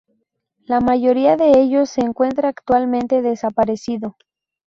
La mayoría de ellos se encuentra actualmente desaparecido.